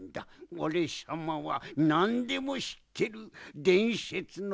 おれさまはなんでもしってるでんせつのおにのみだぞ。